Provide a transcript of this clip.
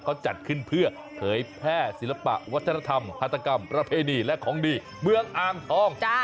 เขาจัดขึ้นเพื่อเผยแพร่ศิลปะวัฒนธรรมฮาตกรรมประเพณีและของดีเมืองอ่างทอง